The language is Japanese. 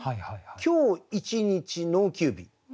「今日」「一日」「農休日」。